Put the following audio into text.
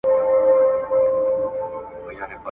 که به دوه وه درې یې نور پوري تړلي ,